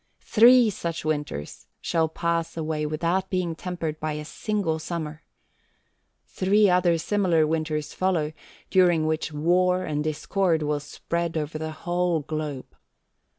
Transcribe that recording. Three such winters shall pass away without being tempered by a single summer. Three other similar winters follow, during which war and discord will spread over the whole globe.